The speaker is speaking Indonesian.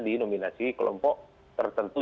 di nominasi kelompok tertentu